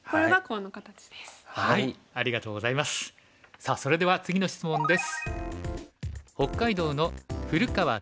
さあそれでは次の質問です。